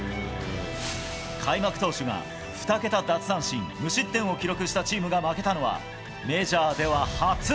開幕投手が２桁奪三振、無失点を記録したチームが負けたのは、メジャーでは初。